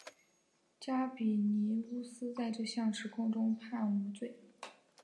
加比尼乌斯在这项指控中被判无罪。